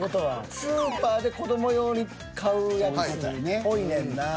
スーパーで子ども用に買うやつっぽいねんな。